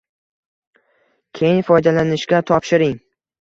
Keyin, foydalanishga topshiring!